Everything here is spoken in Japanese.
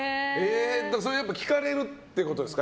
聞かれるってことですか？